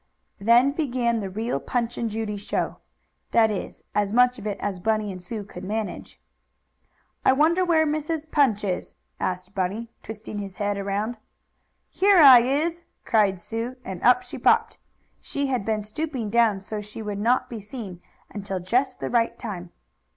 Then began the real Punch and Judy show that is, as much of it as Bunny and Sue could manage. "I wonder where Mrs. Punch is?" asked Bunny, twisting his head around. "Here I is!" cried Sue, and up she popped. She had been stooping down so she would not be seen until just the right time.